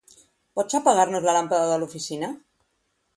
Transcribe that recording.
Pots apagar-nos la làmpada de l'oficina?